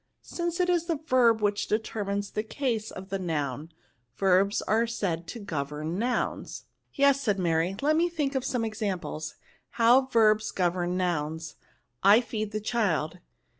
Since it is the verb which determines the case of the noun, verbs are said to govern noims." " Yes," said Mary ;" let me think of some examples, how verbs govern nouns. I feed the child.